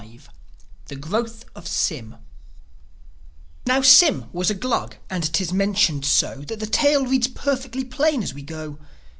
V. THE GROWTH OF SYM Now Sym was a Glug; and 'tis mentioned so That the tale reads perfectly plain as we go.